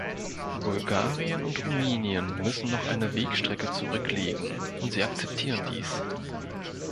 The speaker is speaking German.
Bulgarien und Rumänien müssen noch eine Wegstrecke zurücklegen, und sie akzeptieren dies.